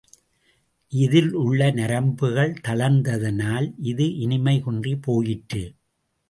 இதிலுள்ள நரம்புகள் தளர்ந்ததனால் இது இனிமை குன்றிப் போயிற்று.